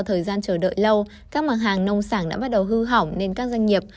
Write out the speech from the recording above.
thời gian chờ đợi lâu các mặt hàng nông sản đã bắt đầu hư hỏng nên các doanh nghiệp